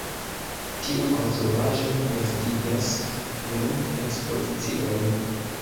Tiu konstruaĵo gastigas nun ekspoziciojn.